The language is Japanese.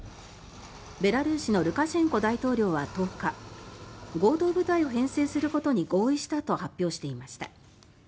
ベラルーシのルカシェンコ大統領は１０日合同部隊を編成することに合意したと発表していました。